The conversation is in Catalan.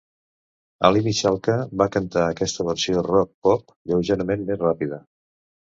Aly Michalka va cantar aquesta versió rock-pop lleugerament més ràpida.